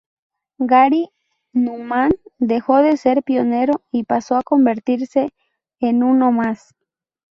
Gary Numan dejó de ser pionero y pasó a convertirse en uno más.